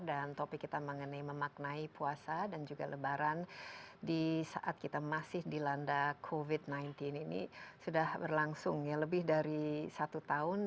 dan topik kita mengenai memaknai puasa dan juga lebaran di saat kita masih dilanda covid sembilan belas ini sudah berlangsung ya lebih dari satu tahun